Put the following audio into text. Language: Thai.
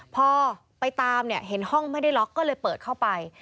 พอไปตามเนี่ยเห็นห้องไม่ได้ล็อกก็เลยเปิดเข้าไป